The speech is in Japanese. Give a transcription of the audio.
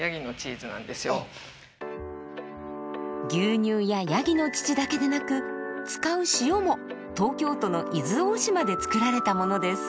牛乳やヤギの乳だけでなく使う塩も東京都の伊豆大島で作られたものです。